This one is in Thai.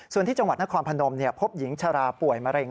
ส่วนที่จังหวัดนครพนมพบหญิงชราป่วยมะเร็ง